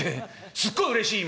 すっごいうれしい今」。